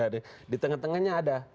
di tengah tengahnya ada